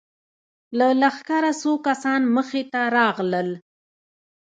له لښکره څو کسان مخې ته راغلل.